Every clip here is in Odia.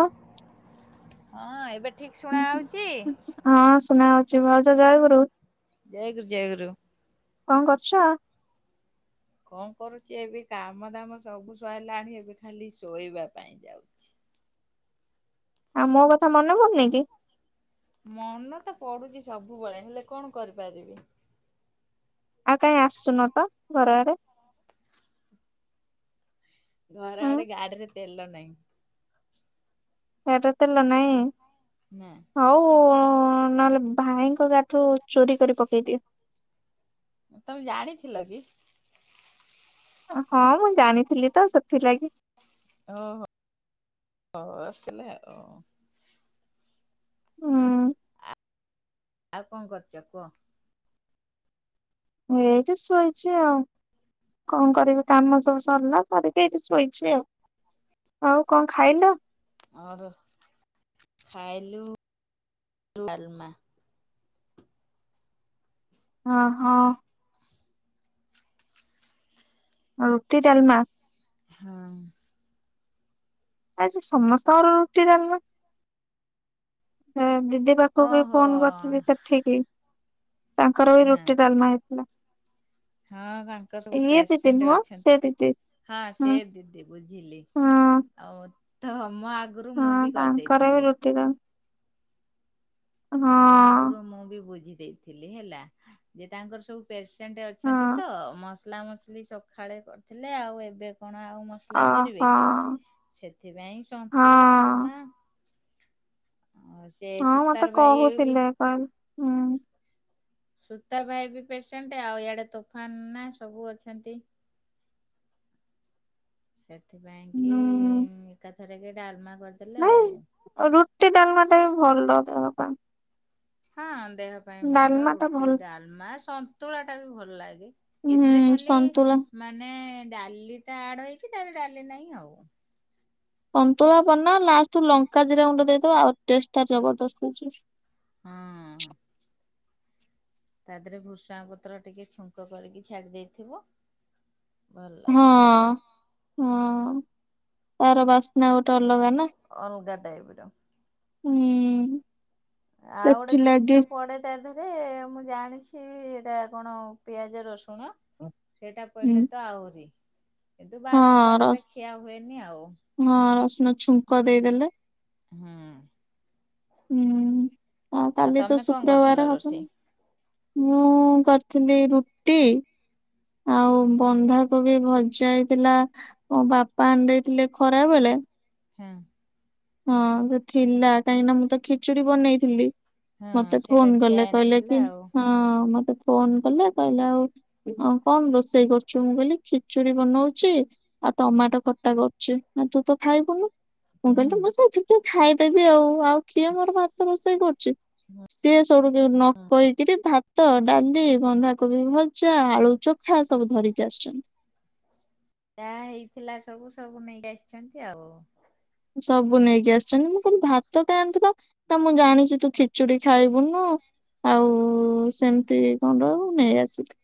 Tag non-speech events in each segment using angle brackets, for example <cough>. ହଁ। ହଁ ଏବେ ଠିକ୍ ଶୁଣା ଯାଉଛି? ହଁ ସୁନା ହେଉଛି ଭାଉଛ ଜୟଗୁରୁ। ଜୟ ଗୁରୁ ଜୟ ଗୁରୁ। କଣ କରୁଛ? କଣ କରୁଛି ଏବେ କାମ ଦାମ ସବୁ ସଇଲାଣି ଏବେ ଖାଲି ଶୋଇବା ପାଇଁ ଯାଉଛି। ଆଉ ମୋ କଥା ମନେ ପଡୁନି କି? ମନେ ତ ପଡୁଛି ସବୁବେଳେ ହେଲେ କଣ କରିପାରିବି? ଆଉ କାଇହିଁ ଆସୁନ ତ ଘର ଆଡେ? ଘର ହୁଁ ଆଡେ ଗାଡିରେ ତେଲ ନାହିଁ। ଗାଡ଼ିରେ ତେଲ ନାହିଁ। ନାଁ। ହ ନହେଲେ ଭାଇଙ୍କ ଗାଡିରୁ ଚୋରି କରି ପକେଇଦିଏ। ତମେ ଜାଣିଥିଲ କି? ହଁ ମୁଁ ଜାଣିଥିଲି ତ ସେଥିଲାଗି। ଓ ହୋ ହ ଆସଇଲେ ଆଉ। ହଁ। ଆଉ କଣ କରୁଛ କୁହ? ମୁଁ ଏଇଟା ଶୋଇଛି ଆଉ। କଣ କରିବି କାମ ସବୁ ସରିଲା ସରିକି ଶୋଇଛି ଆଉ। ଆଉ କଣ ଖାଇଲ? ଆ ଖାଇଲୁ ଡାଲମା। ହଁ ହଁ। ରୁଟି ଡାଲମା। ହଁ। ଆଜି ସମସ୍ତଙ୍କର ରୁଟି ଡାଲମା ହୁଁ ଦିଦି ପାଖ ତାକୁ ବି ଓହୋ ହଁ ଫୋନ କରିଥିଲି ସେଠିକି ତାଙ୍କର ବି ରୁଟି ଡାଲମା ହେଇଥିଲା। ହଁ ତାଙ୍କର ସବୁ ଇଏ ଦିଦି ପେସେଣ୍ଟ ନୁହଁ ସେ ଅଛନ୍ତି ନା। ଦିଦି ହଁ ସେ ଦିଦି ବୁଝିଲି ହଁ ଆଉ ତମ ଆଗ ହଁ ତାଙ୍କର ବି ରୁଟି ଡ଼ାଲ ତମ ଆଗରୁ ମୁଁ ବି ବୁଝି ଦେଇଥିଲି ହେଲା ଯେ ତାଙ୍କର ସବୁ ପେସେଣ୍ଟ ଅଛନ୍ତି ହଁ ତ ମସଲା ମସଲି ସକାଳେ କରିଥିଲେ ଆଉ ଏବେ କଣ ଆଉ ମ ମସଲା କରିବେ ଓହୋ କି ସେଥିପାଇଁ ସନ୍ତୁଳା ହଁ ଡାଲମା ବାସ୍। ହଁ ମତେ କହୁଥିଲେ କ ହୁଁ ସୁତା ଭାଇ ବି ପେସେଣ୍ଟ ଆଉ ଇଆଡେ ତୋଫାନ ନା ସବୁ ଅଛନ୍ତି। ସେଥିପାଇଁ କି ହୁଁ ଏକାଥରେ କି ଡାଲମା କରିଦେଲେ ନାଇଁ ଆଉ। ରୁଟି ଡାଲମା ଟା ବି ଭଲ ଦେବା ପାଇଁ। ହଁ ଦେହ ପାଇଁ ଭଲ ଡାଲମା ଟା ରୁଟି ଭଲ ଡାଲମା ସନ୍ତୁଳା ଟା ବି ଭଲ ଲାଗେ। ହୁଁ ଏଥିରେ ଖାଲି ସନ୍ତୁଳା ମାନେ ଡାଲିଟା ଆଡ ହେଇଛି ତାଲେ ଡାଲି ନାହିଁ ଆଉ। ଅନ୍ତୁଳା ବ ଲାଷ୍ଟୁ ଲଙ୍କା ଜିରା ଗୁଣ୍ଡ ଦେଇଦବା ଆଉ ଜବରଦସ୍ତ୍ ହେଇଛି। ହଁ। ତା ଦେହରେ ଭୃଷୁାଣ ପତ୍ର ଟିକେ ଛୁଙ୍କ କରିକି ଛାଡ଼ି ଦେଇଥିବ। ଭଲ ଲାଗିବ ହଁ ହଁ ତାର ବାସ୍ନା ଗୋଟେ ଅଲଗା ନା। ଅଲଗାଟାଇବର। ହୁଁ। ଆଉ ଗୋଟେ ସେଥିଲାଗି ଜିନିଷ ପଡେ। ତା ଦେହରେ ମୁଁ ଜାଣିଛି ଏଇଟା କଣ ପିଆଜ ରସୁଣ। ସେଇଟା ପହିଲେ ହୁଁ ତ ଆହୁରି କିନ୍ତୁ ହଁ ବାର ବାରରେ ରସ୍ ଖିଆ ହୁଏନି ଆଉ। ହଁ ରସୁଣ ଛୁଙ୍କ ଦେଇଦେଲେ। ହଁ। ହୁଁ ହ ଆଉ କାଲି ତମେ ତ କଣ କରିଥିଲ ଶୁକ୍ରବାର ହବ। ରୋଷେଇ? ମୁଁ କରିଥିଲି ରୁଟି। ଆଉ ବନ୍ଧାକୁ ବି ଭଜାଇଥିଲା ମୋ ବାପା ଅନିଦେଇ ଥିଲେ ଖରା ବଳେ। ହଁ। ହଁ ତ ଥିଲା କାହିଁକି ନା ମୁଁ ତ ଖିଚୁଡ଼ି ବନେଇଥିଲି। ହଁ ମତେ ସେଇଟା ଫୋନ ଖିଆ କଲେ କହିଲେ ହେଇନଥିଲା କି ଆଉ। ହଁ ମତେ ଫୋନ କଲେ କହିଲେ ଆଉ ହଁ କଣ ରୋଷେଇ କରୁଛୁ ମୁଁ କହିଲି ଖିଚୁଡି ବନଉଛି। ଆଉ ଟମାଟୋ ଖଟା କରୁଛି ନା ତୁ ତ ଖାଇବୁନୁ। ମୁଁ ହୁଁ। କହିଲୁ ମୁଁ ସେଥିି ଟେ ଖାଇଦେବି ଆଉ ଆଉ କିଏ ମୋର ଭାତ ରୋଷେଇ କରୁଛି। ସିଏ ସବୁ ନ କହିକିରି ଭାତ ଡାଣ୍ଲି ବନ୍ଧାକୋବି ଭଜା ଆଳୁ ଚ ଖା ସବୁ ଧରିକି ଆସିଛନ୍ତି। ଯାହା ହେଇଥିଲା ସବୁ ସବୁ ନେଇ ଆସିଛନ୍ତି ଆଉ। ସବୁ ନେଇକି ଆସିଛନ୍ତି ମୁଁ କହୁଥିଲି ଭାତ ଖାନ୍ତିନା ନା, ମୁଁ ଜାଣିଛି ତୁ ଖିଚୁଡି ଖାଇବୁନୁ ଆଉ ସେମିତି କଣ ରହିବ ନେଇ ଆସିଲି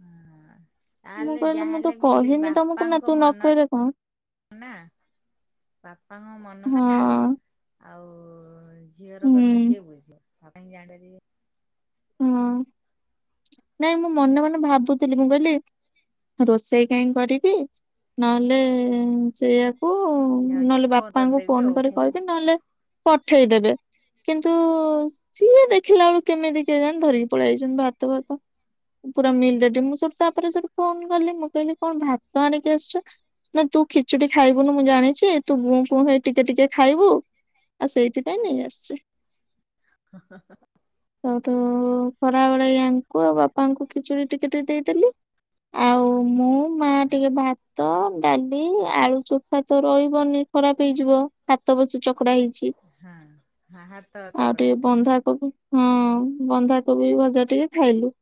ହୁଁ। ମୁଁ ତାହେଲେ କହିଲି ମୁଁ ତ ଯାହାହେଲେ ବି କହିନି ତମକୁ ନା ବାପାଙ୍କ ତୁ ନ ମନ କହିଲେ କଣ ନା ବାପାଙ୍କ ମନ ନା ହଁ ଆଉ ଝିଅର ହୁଁ କଥା କିଏ ବୁଝିବ ତା ପାଇଁ ଇଆଡ଼େ ହଁ, ନାଇଁ ମୁଁ ମନେ ମନେ ଭାବୁଥିଲି ମୁଁ କହିଲି ରୋଷେଇ କାହିଁ କରିବି ନହେଲେ ସେଇଆ କୁ ଯାଉଛି ନହେଲେ ଫୋନ ବାପାଙ୍କୁ କରିଦେବି ଫୋନ ଆଉ। କରି କହିବି ନହେଲେ ପଠେଇଦେବେ କିନ୍ତୁ ସିଏ ଦେଖିଲା ବେଳୁ କେମିତି କେଜାଣି ଧରିକି ପଳେଇାଇଛ ଭାତ ଫାତ ପୁରା ମିଲ ରେଡି, ମୁଁ ସେଠୁ ତାପରେ ସେଠୁ ଫୋନ କଲି ମୁଁ କହିଲି କଣ ଭାତ ଆଣିକି ଆସିଛ ନା ତୁ ଖିଚୁଡ଼ି ଖାଇବୁନୁ ମୁଁ ଜାଣିଛି ତୁ ଙ୍ଗୁ ପୁ ହେଇ ଟିକେ ଟିକେ ଖାଇବୁ। ଆଉ ସେଇଥିପାଇଁ ନେଇ ଆସିଛି। ହ। ଆଉ ତ ଖରାବେଳେ ୟାଙ୍କୁ ଆଉ ବାପାଙ୍କୁ ଖିଚୁଡ଼ି ଟିକେ ଟିକେ ଦେଇଦେଲିି ଆଉ ମୁଁ ମା ଟିକେ ଭାତ ଡାଲି ଆଳୁ ଚ ଭାତ ରହିବନି ଖରାପ ହେଇଯିବ ହାତ ବସି ଚକଡା ହେଇଛି। ହଁ ହଁ ହାତ ଆଉ ଚକଡା ଟିକେ ହେଇଛି ବନ୍ଧାକୋବି ବି ହଁ। ବନ୍ଧାକୋବି ଭଜା ଟିକେ ଖାଇଲୁ।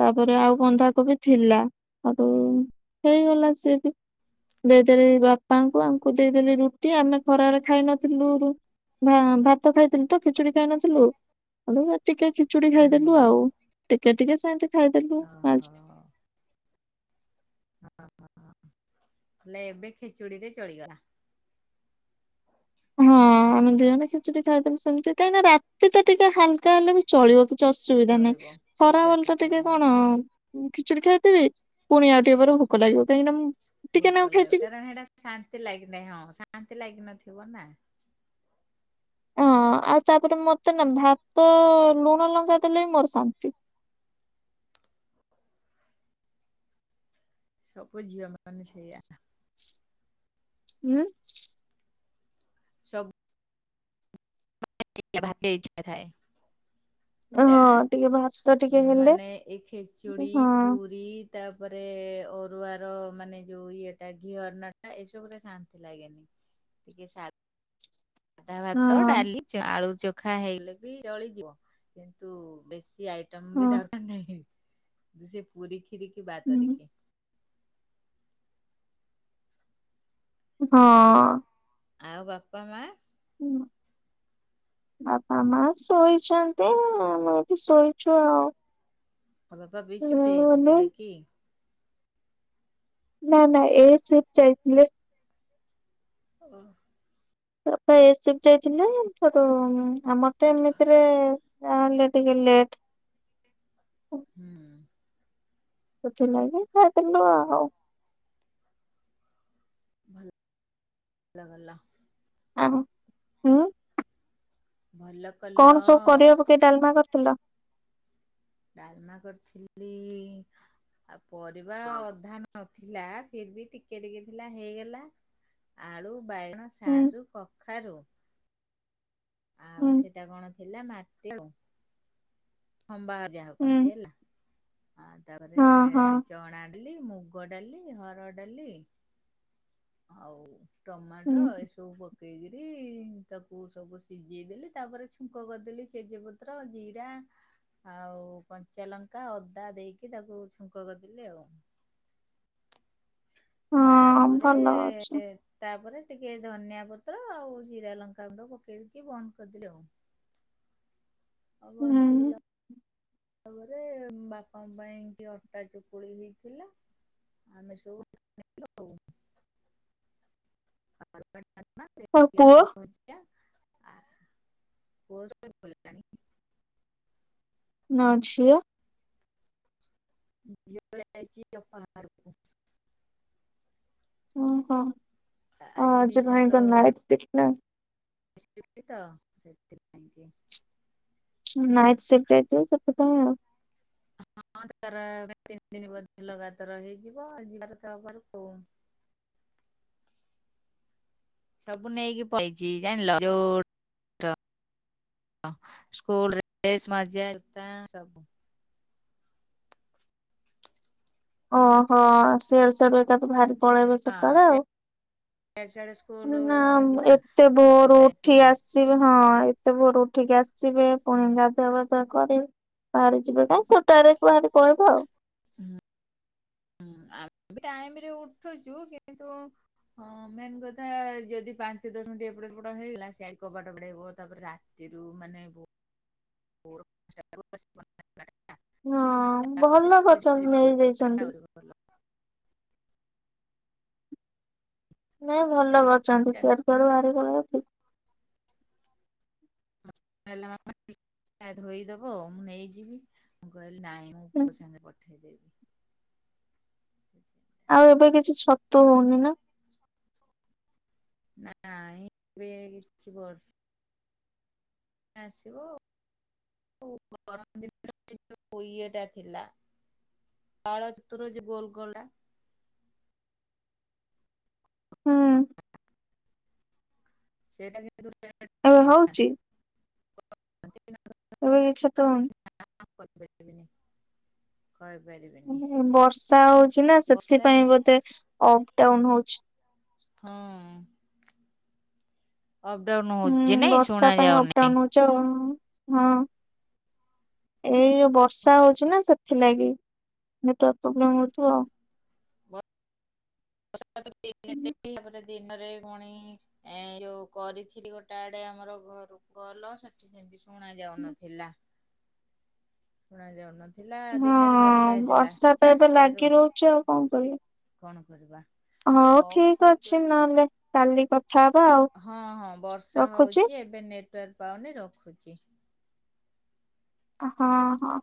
ତାପରେ ଆଉ ବନ୍ଧାକୋବି ଥିଲା। ହେଠୁ ହେଇଗଲା ସେ ବି ଦେଇଦେଲି ବାପାଙ୍କୁ ଆଙ୍କୁ ଦେଇଦେଲି ରୁଟି ଆମେ ଖରାରେ ଖାଇ ନଥିଲୁ ରୁ ଭା ଭାତ ଖାଇଥିଲୁ ତ ଖିଚୁଡି ଖାଇନଥିଲୁ। ହେଲେ ଟିକେ ଖିଚୁଡି ଖାଇଦେଲୁ ହୁଁ ଆଉ ଟିକେ ଟିକେ ସେମିତି ଖାଇଦେଲୁ ଓହୋ। ହେଲେ ଏବେ ଖିଚୁଡି ରେ ଚଳିଗଲା? ହଁ, ଆମେ ଦି ଜଣ ଖିଚୁଡ଼ି ଖାଇଦେବୁ ସେମିତି କାହିଁକି ନା ରାତି ଟା ଟିକେ ହାଲକା ହେଲେ ବି ଚଳିବ କିଛି ଅସୁବିଧା ଚଳିବ ନାହିଁ। କିଛି ଖରା ବେଲ ଟା ଟିକେ ଅସୁବିଧା ନାହିଁ। କଣ ଖିଚୁଡ଼ି ଖାଇଥିବି ପୁଣି ଆଉ ଟିକେ ପରେ ଭୋକ ଲାଗିବ କାହିଁକିନା ମୁଁ ଟିକେ ଭୋକ ନାକୁ ଲାଗିବ ଖାଇଥିବି କାରଣ ହେଟା ଶାନ୍ତି ଲାଗିନାହିଁ ହଁ, ଶାନ୍ତି ଲାଗିିନଥିବ ନା? ହଁ ଆଉ ତାପରେ ମତେ ନା ଭାତ ଲୁଣ ଲଙ୍କା ଦେଲେ ବି ମୋର ଶାନ୍ତି। ସବୁ ଝିଅ ମାନେ ସେଇଆ। ହୁଁ। ସବୁ <unintelligible> ଥାଏ ଡା ହଁ ଟିକେ ଭାତ ଟିକେ ହେଲେ ମାନେ ଏ ହଁ ଖେଚୁଡ଼ି, ହଁ। ପୁରୀ ତାପରେ ଅରୁଆ ର ମାନେ ଯୋଉ ଇଏଟା ଘିଅ ଅର୍ଣ୍ଣ ଟା ଏସବୁରେ ଶାନ୍ତି ଲାଗେନି। ଟିକେ ଶା ଆଧା ଭାତ, ଡାଲି, ଚା ଆଳୁ ଚଖା ହେଇଲେ ବି ଚଳିଯିବ କିନ୍ତୁ ବେଶୀ ଆ ଟମ୍ ହଁ। ବି ଦରକାର ନାହିଁ କି ସେ ପୁରୀ, କ୍ଷୀରି କି ବାତ ହୁଁ, କରିକି ହଁ। ଆଉ ବାପା, ମା? ହୁଁ, ବାପା, ମା ଶୋଇଛନ୍ତି ଆଉ। ମୁଁ ବି ଶୋଇଛୁ ଆଉ। କଣ ବାପା ବି ସିଫ୍ଟ ଯାଇଥିଲେ କି? ନା, ନା ଏ ସିଫ୍ଟ ଯାଇଥିଲେ। ଓ ବାପା ଏ ସିଫ୍ଟ ଯାଇଥିଲେ ହେଟୁ ଆମର ତ ଏମିତିରେ ଜାହେଲେ ଟିକେ ଲେଟ୍ ହୁଁ। ସେଥିନାଗି ଖାଇ ଦେଲୁ ନା ଆଉ। ଲ ଗଲ। ଅହ ଉଁ? ଭଲ କଣ ସବୁ କଲ। ପରିବା ପକେଇ ଡାଲମା କରିଥିଲ? ଡାଲମା କରିଥିଲି ଆ ପରିବା ଅଧା ନଥିଲା ଫିର୍ ଭି ଟିକେ ଟିକେ ଥିଲା ହେଇଗଲା ଆଳୁ, ବାଇଗଣ, ହୁଁ ସାରୁ, କଖାରୁ ଆଉ ହୁଁ ସେଇଟା କଣ ଥିଲା ମାଟି ଆଳୁ। ଖମ୍ବା ଯାହାକୁ ହୁଁ କୁହନ୍ତି ହେଲା ଆଉ ତାପରେ ହଁ ହଁ ଚଣା ଡାଲି, ମୁଗ ଡାଲି, ହରଡ଼ ଡାଲି ଆଉ ହୁଁ ଟମାଟ ଏ ସବୁ ପ ପକେଇକିରି ତାକୁ ସବୁ ସିଜେଇଦେଲି ତାପରେ ଛୁଙ୍କ କରିଦେଲି ଚେଜପତ୍ର, ଜିରା ଆଉ କଞ୍ଚା ଲଙ୍କା, ଅଦା ଦେଇକି ତାକୁ ଛୁଙ୍କ କରିଦେଲି ଆଉ। ହଁ ତାପରେ ଭଲ ଅଛି ଏ ଏ ତାପରେ ଟିକେ ଧନିଆ ପତ୍ର ଆଉ ଜିରା, ଲଙ୍କା ଗୁଣ୍ଡ ପକେଇ ଦେଇକି ବନ୍ଦ କରିଦେଲି ଆଉ। ହୁଁ <unintelligible> ତାପରେ ବାପାଙ୍କ ପାଇଁ କି ଅଟା ଚକୁଳି ହୋଇଥିଲା। ଆମେ ସବୁ ଆଉ ପୁଅ <inaudible> ଆ <inaudible> ନ ଝିଅ। ଝିଅ ଯାଇଛି ଅପା <inaudible> ରୁ। ଓହୋ, ଆଉ ଆଜି ଭାଇଙ୍କ ନାଇଟ୍ ସିଫ୍ଟ ନା? <inaudible> ତ ସେଥିପାଇଁ କି। ନାଇଟ୍ ସିଫ୍ଟ୍ ଯଇଥିବ ସେଥିପାଇଁ ଆଉ। ହଁ, ତାର ନା ତିନି ଦିନ ବ ଲଗାତର ହେଇଯିବ ଆ ଯିବା କଥା ଘରୁକୁ। ସବୁ ନେଇକି ପଳେଇଛି ଜାଣିଲ ଯୋଉ ଟ ସ୍କୁଲ ରେ <inaudible> ସବୁ ଓହୋ, ଶିଆଡ଼ୁ ସିଆଡ଼ୁ ଏକା ତ ଭାରି ଆଁ ସେ ସେଆଡ଼େ ନା ମୁଁ ଏତେ ଭୋଓରୁ କି ଉଠି ଆସ୍ ସିବ ହଁ ଏତେ ଭୋରୁ ଉଠିକି ଆସିବେ ପୁଣି ଗାଧୁଆ ପାଧୁଆ କରି ବାହାରି ଯିବେ କାଇଁ ସୋଟାରେ <unintelligible> ପଳେଇବ ଆଉ। ହୁଁ। ହୁଁ, ଆମେ ଟାଇମିରେ ଉଠୁଛୁ କିନ୍ତୁ ହଁ, ମେନ୍ କଥା ଯଦି ପାଞ୍ଚ ଦଶ ମିନିଟ ଏପଟ ସେପଟ ହେଇଗଲା ସିଏ ‌ଆଜି କବାଟ ବାଡ଼େଇବ ତାପରେ ରା ତିରୁ ମାନେ ଗୋ ହଁ ଭଲ କରିଛନ୍ତି ନେଇ ଦେଇଛନ୍ତି। <inaudible> ନାଇଁ ଭଲ କରଛନ୍ତି କହିଲା ସିଆଡ଼ୁ କୁଆଡ଼ୁ ବାହାରି ପଳେଇବ ଠିକ୍। <inaudible> ଧୋଇଦବ ମୁଁ ନେଇଯିବି। ମୁଁ କହିଲି ନାଇଁ ମୁଁ ପୁଅ ସାଙ୍ଗେ ପଠେଇଦେବି। ଆଉ ଏବେ କିଛି ଛତୁ ହୋଉନି ନା? ନାଇଁ ଏବେ କିଛି ବର୍ଷ ଆସିବ ଗରମ ଦିନେ <inaudible> ଇଏ ଟା ଥିଲା। ପାଳ ଛତୁର ଯୋଉ ଗୋଲ୍ ଗୋଲ୍ ଟା। ହୁଁ। ସେଇଟା କିନ୍ତୁ <inaudible> ଏବେ ହୋଉଛି? ଏବେ କିଛିତ ହୋଉନି। <inaudible> କରିପାରିବିନି। କହିପାରିବି ବର୍ଷା ହଉଛି ନା ସେଥିପାଇଁ ଦିନ ବୋଧେ ଅପ ଡାଉନ ହଉଛି। ହଁ ଅପଡାଉନ ହଉଛି ନାଇଁ, ବର୍ଷା ଶୁଣା ପାଇଁ ଅପଡାଉନ ଯାଉନାଇଁ। ହଉଛି ଚ ହୁଁ। ଏଇ ବର୍ଷା ହଉଛି ନା ସେଥିଲାଗି, ନେଟୱର୍କ ପ୍ରୋବ୍ଲେମ ହଉଥିବ ଆଉ। <unintelligible> ଦିନରେ ପୁଣି ଏ ଯୋଉ କରିଥିଲି, ଗୋଟା ଆଡେ ଆମର ଘରୁ କଲ ସେ ଠି ସେମିତି ଶୁଣା ଯାଉନଥିଲା, ଶୁଣା ଯାଉନ ଥିଲା ଦିନରେ ବର୍ଷା ହଁ ହେଇଥିଲା, ବର୍ଷା ତ ଏବେ ଚାରିଟାରୁ ଲାଗି ରହୁଛି ଆଉ କରିବା। କଣ କରିବା। ହଉ ଠିକ ଅଛି ନହେଲେ, କାଲି କଥା ହବା ଆଉ। ହଁ-ହଁ ବର୍ଷା ରଖୁଛି ହଉଛି ଏବେ ନେଟୱାର୍କ ପାଉନି ରଖୁଚି। ହଁ-ହଁ।